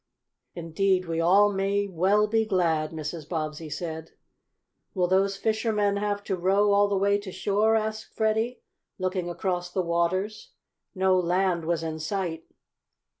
"Indeed we all may well be glad," Mrs. Bobbsey said. "Will those fishermen have to row all the way to shore?" asked Freddie, looking across the waters. No land was in sight.